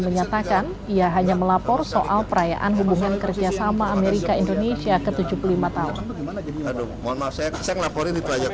menyatakan ia hanya melapor soal perayaan hubungan kerjasama amerika indonesia ke tujuh puluh lima tahun